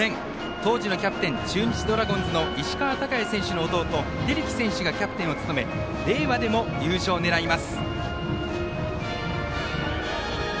当時キャプテン中日ドラゴンズの石川昂弥選手の弟瑛貴選手がキャプテンを務め令和になっての優勝を狙います。